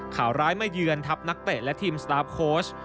ข่าวร้ายมาเยือนทัพนักเตะและทีมสตาร์ฟโค้ช